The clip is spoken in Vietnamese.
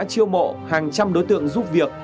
chiêu mộ hàng trăm đối tượng giúp việc